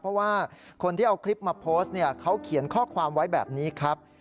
เพราะว่าคนที่เอาคลิปมาโพสต์เนี่ยเขาเขียนข้อความไว้แบบนี้ครับ